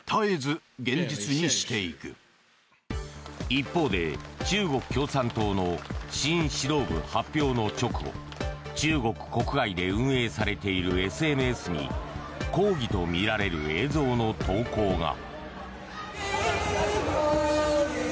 一方で中国共産党の新指導部発表の直後中国国外で運営されているＳＮＳに抗議とみられる映像の投稿が。